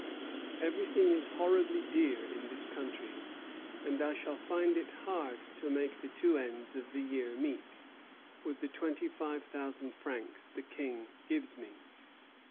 "Everything is horribly dear in this country; and I shall find it hard to make the two ends of the year meet, with the twenty five thousand francs the King gives me.